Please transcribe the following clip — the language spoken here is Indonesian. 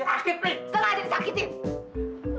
selah aja disakitin